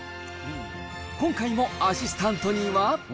今回もアシスタントには。